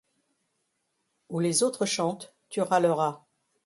Où les autres chantent, tu râleras.